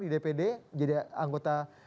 di dpd jadi anggota